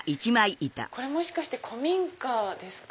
これもしかして古民家ですか？